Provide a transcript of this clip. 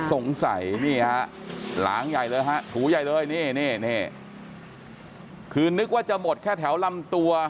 นี่ฮะหลางใหญ่เลยฮะถูใหญ่เลยนี่นี่คือนึกว่าจะหมดแค่แถวลำตัว